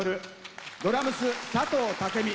ドラムス、佐藤武美。